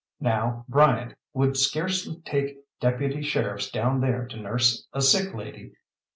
Now Bryant would scarcely take deputy sheriffs down there to nurse a sick lady.